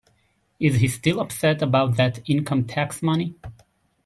Is he still upset about that income-tax money?